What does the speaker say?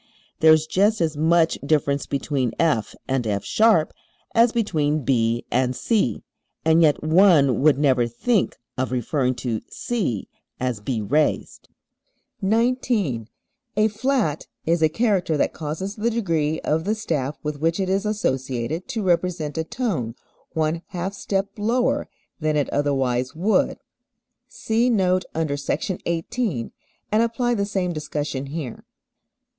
There is just as much difference between F and F[sharp] as between B and C, and yet one would never think of referring to C as "B raised"! [Illustration: Fig. 10.] 19. A flat is a character that causes the degree of the staff with which it is associated to represent a tone one half step lower than it otherwise would. (See note under Sec. 18 and apply the same discussion here.)